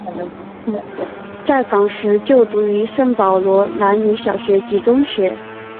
在港时就读于圣保罗男女小学及中学。